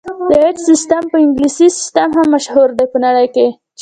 د ایچ سیسټم په انګلیسي سیسټم هم مشهور دی په نړۍ کې.